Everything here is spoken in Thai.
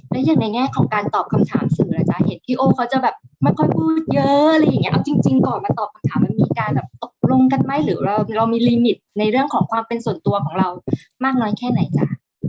แล้วอย่างในแง่ของการตอบคำถามสื่อล่ะจ๊ะเห็นพี่โอ้เขาจะแบบไม่ค่อยพูดเยอะอะไรอย่างเงี้เอาจริงก่อนมาตอบคำถามมันมีการแบบตกลงกันไหมหรือว่าเรามีลิมิตในเรื่องของความเป็นส่วนตัวของเรามากน้อยแค่ไหนจ๊ะ